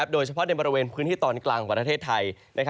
โดยเฉพาะในบริเวณพื้นที่ตอนกลางของประเทศไทย